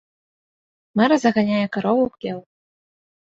Мэра заганяе карову ў хлеў.